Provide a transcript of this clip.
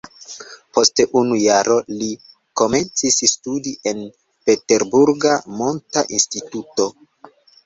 Post unu jaro li komencis studi en peterburga monta instituto.